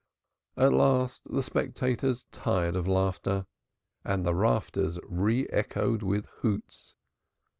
At last the spectators tired of laughter and the rafters re echoed with hoots.